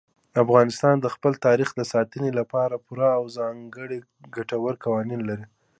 افغانستان د خپل تاریخ د ساتنې لپاره پوره او ځانګړي ګټور قوانین لري.